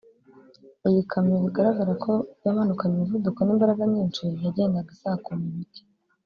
Iyi kamyo bigaragara ko yamanukanye umuvuduko n’imbaraga nyinshi yagendaga isakuma ibiti